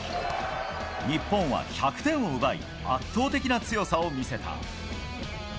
日本は１００点を奪い、圧倒的な強さを見せた。